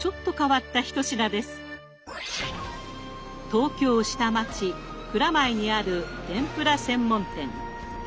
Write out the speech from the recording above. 東京下町蔵前にある天ぷら専門店。